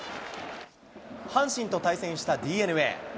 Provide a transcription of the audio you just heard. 阪神と対戦したＤｅＮＡ。